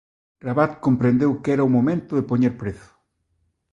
Rabat comprendeu que era o momento de poñer prezo.